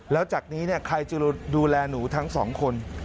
แล้วจากนี้ใครจะดูแลหนูทั้งสองคน